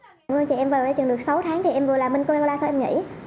một người chị em vừa về trường được sáu tháng thì em vừa làm mình con em gala sau em nghỉ